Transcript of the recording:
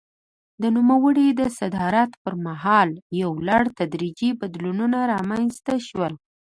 د نوموړي د صدارت پر مهال یو لړ تدریجي بدلونونه رامنځته شول.